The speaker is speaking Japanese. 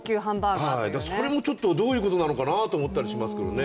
それもちょっとどういうことなのかなと思ったりしますけどね。